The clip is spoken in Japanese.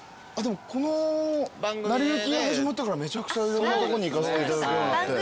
この『なりゆき』が始まってからめちゃくちゃいろんなとこに行かせていただくようになって。